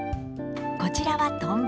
こちらはトンボ。